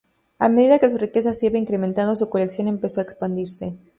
A medida que su riqueza se iba incrementando, su colección empezó a expandirse.